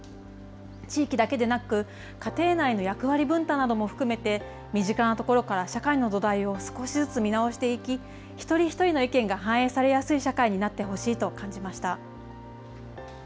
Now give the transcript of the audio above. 地域だけでなく、家庭内の役割分担なども含めて、身近なところから社会の土台を少しずつ見直していき、一人一人の意見が反映されやすい社会になってほしいと感じました。